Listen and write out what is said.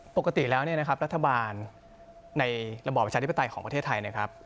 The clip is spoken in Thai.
ปกติแล้วนะครับรัฐบาลในระบอบประชาธิปไตยของประเทศไทย